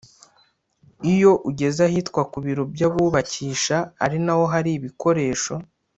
Iyo ugeze ahitwa ku biro by’abubakisha ari naho hari ibikoresho